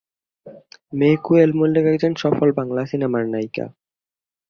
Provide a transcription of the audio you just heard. মেয়ে কোয়েল মল্লিক একজন সফল বাংলা সিনেমার নায়িকা।